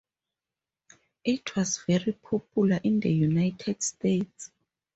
It was very popular in the United States.